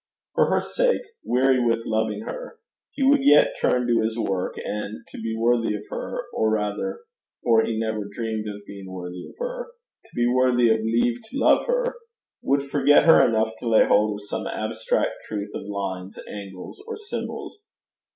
For her sake, weary with loving her, he would yet turn to his work, and, to be worthy of her, or rather, for he never dreamed of being worthy of her, to be worthy of leave to love her, would forget her enough to lay hold of some abstract truth of lines, angles, or symbols.